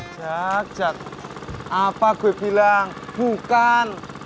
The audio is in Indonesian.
jack jack apa gue bilang bukan